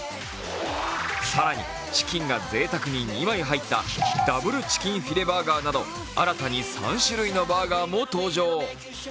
更に、チキンがぜいたくに２枚入ったダブルチキンフィレバーガーなど新たに３種類のバーガーも登場。